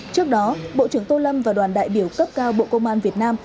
trước đó bộ trưởng tô lâm và đoàn đại biểu cấp cao bộ công an việt nam